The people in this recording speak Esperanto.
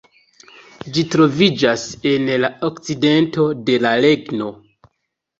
Ĝi troviĝas en la okcidento de la regno.